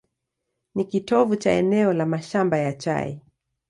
Ni kitovu cha eneo la mashamba ya chai.